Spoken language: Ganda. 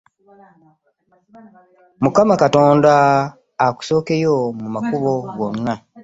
Mukama katonda akusooke yo mu makubo gwonna.